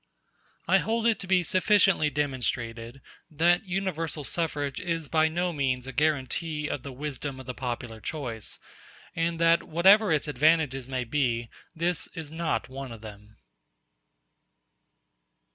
I hold it to be sufficiently demonstrated that universal suffrage is by no means a guarantee of the wisdom of the popular choice, and that, whatever its advantages may be, this is not one of them.